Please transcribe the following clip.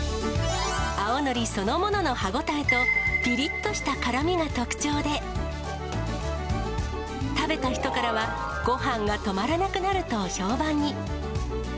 青のりそのものの歯応えと、ぴりっとした辛みが特徴で、食べた人からは、ごはんが止まらなくなると評判に。